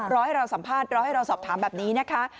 รอให้เราสัมภาษณ์รอให้เราสอบถามแบบนี้นะคะ